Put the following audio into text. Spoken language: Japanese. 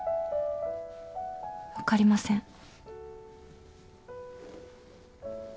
分かりません。